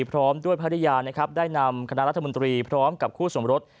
พร้อมด้วยภรรยานะครับได้นำคณะรัฐมนตรีพร้อมกับคู่สมรส